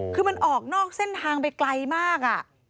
คือมันออกนอกเส้นทางไปไกลมาก